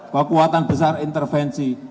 kekuatan besar intervensi